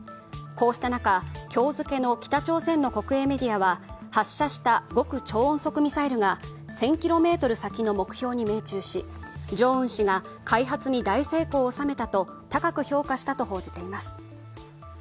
こうした中、今日付の北朝鮮の国営メディアは発射した極超音速ミサイルが１０００ｋｍ先の目標に命中しジョンウン氏が開発に大成功を収めたと高く評価したと報じています。